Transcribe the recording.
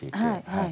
はい。